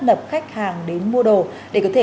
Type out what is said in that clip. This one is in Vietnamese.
nập khách hàng đến mua đồ để có thể